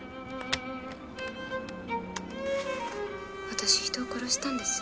私人を殺したんです。